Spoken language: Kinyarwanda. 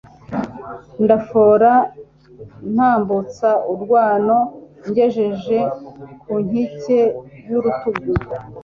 ndafora ntambutsa urwano, ngejeje ku nkike y'urutugu